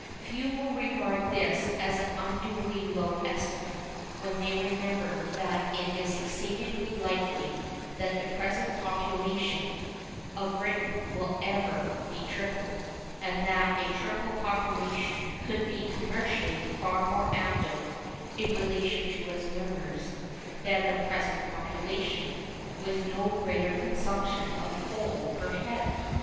Few will regard this as an unduly low estimate when they remember that it is exceedingly unlikely that the present population of Britain will ever be tripled, and that a triple population could be commercially far more active (in relation to its numbers) than the present population, with no greater consumption of coal per head.